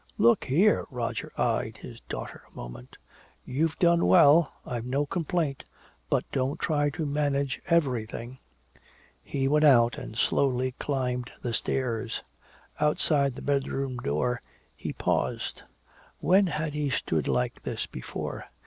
"Look here." Roger eyed his daughter a moment. "You've done well. I've no complaint. But don't try to manage everything." He went out and slowly climbed the stairs. Outside the bedroom door he paused. When had he stood like this before?